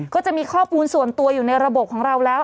ก็จะมีข้อมูลส่วนตัวอยู่ในระบบของเราแล้ว